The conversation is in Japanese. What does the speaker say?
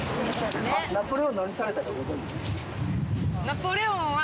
ナポレオンは。